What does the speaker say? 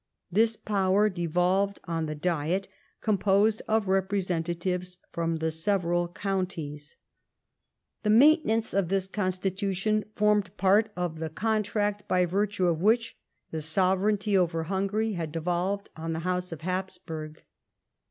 This power devolved on the Diet, composed of representa tives from the several counties. The maintenance of this DECLINE AND FALL OF HIS SYSTEM. 175 Constitution formed part of the contract by virtue of wliich the sovereignty over Hungary had devolved on the House of Habsburg.